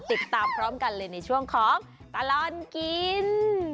ติดตามพร้อมกันเลยในช่วงของตลอดกิน